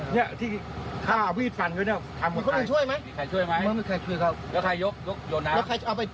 นี่ที่ข้าวีดฟันไว้นี่ทำกับใคร